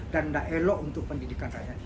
dan nggak elok untuk pendidikan raya